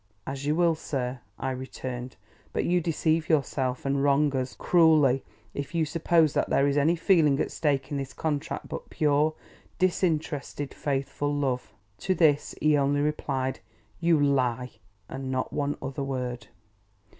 "As you will, sir," I returned; "but you deceive yourself, and wrong us, cruelly, if you suppose that there is any feeling at stake in this contract but pure, disinterested, faithful love." To this, he only replied, "You lie!" and not one other word.